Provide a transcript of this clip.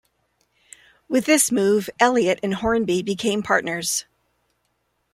With this move, Elliot and Hornby became partners.